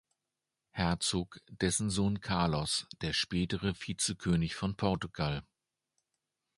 Herzog dessen Sohn Carlos, der spätere Vizekönig von Portugal.